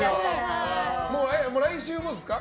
来週もですか？